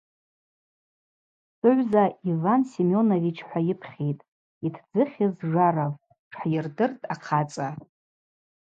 Сыгӏвза Иван Семенович-хӏва йыпхьитӏ, йтдзыхьыз Жаровпӏ, – тшхӏйырдыртӏ ахъацӏа.